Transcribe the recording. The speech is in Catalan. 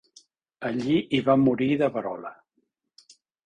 Allí hi va morir de verola.